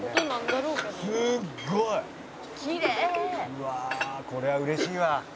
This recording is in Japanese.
「うわこれは嬉しいわ」